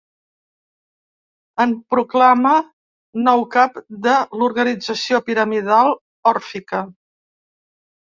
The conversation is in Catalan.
Em proclama nou cap de l'organització piramidal òrfica.